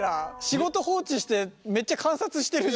仕事放置してめっちゃ観察してる。